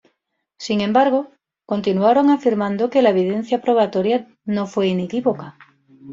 Sin embargo, continuaron afirmando que "la evidencia probatoria no fue inequívoca".